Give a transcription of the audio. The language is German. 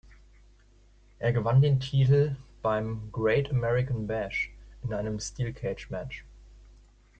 Er gewann den Titel beim "Great American Bash" in einem Steel Cage Match.